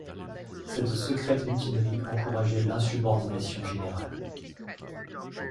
Cette secrète mutinerie encourageait l’insubordination générale.